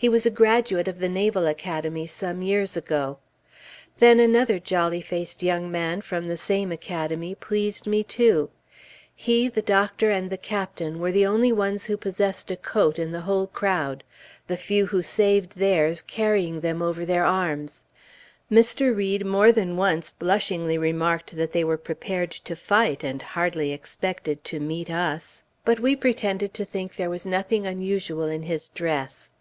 He was a graduate of the Naval Academy some years ago. Then another jolly faced young man from the same Academy, pleased me, too. He, the doctor, and the Captain, were the only ones who possessed a coat in the whole crowd, the few who saved theirs carrying them over their arms. Mr. Read more than once blushingly remarked that they were prepared to fight, and hardly expected to meet us; but we pretended to think there was nothing unusual in his dress.